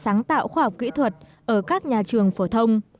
sáng tạo khoa học kỹ thuật ở các nhà trường phổ thông